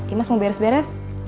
imas mau beres beres